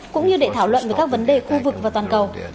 cũng như để thảo luận về các vấn đề khu vực và toàn cầu